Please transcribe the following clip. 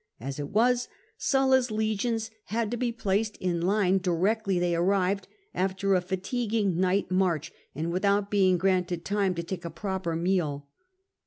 As it was, Sulla's legions had to be placed in line directly they arrived, after a fatiguing night march, and without being granted time to take a proper meal.